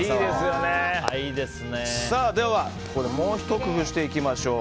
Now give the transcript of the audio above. では、ここでもうひと工夫していきましょう。